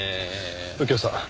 右京さん